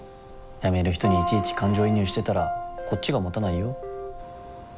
辞める人にいちいち感情移入してたらこっちがもたないよ。